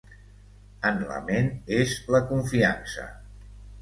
En la ment, és la confiança.